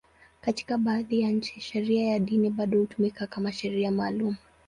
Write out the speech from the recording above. Katika baadhi ya nchi, sheria ya dini bado hutumika kama sheria maalum.